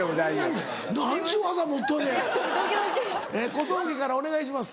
小峠からお願いします。